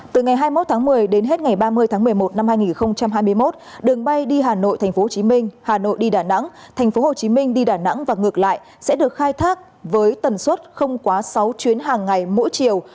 từ ngày hai mươi một tháng một mươi đến hết ngày ba mươi tháng một mươi một năm hai nghìn hai mươi một đường bay đi hà nội thành phố hồ chí minh hà nội đi đà nẵng thành phố hồ chí minh đi đà nẵng và ngược lại sẽ được khai thác với tần suất không quá sáu chuyến hàng ngày mỗi chiều